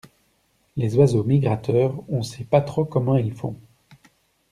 Les oiseaux migrateurs, on sait pas trop comment ils font.